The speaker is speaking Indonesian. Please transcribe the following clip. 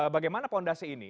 bagaimana pondasi ini